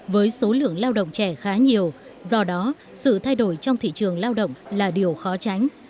với số lượng lao động trẻ khá nhiều do đó sự thay đổi trong thị trường lao động là điều khó tránh